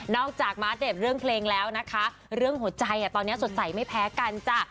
จากมาอัปเดตเรื่องเพลงแล้วนะคะเรื่องหัวใจตอนนี้สดใสไม่แพ้กันจ้ะ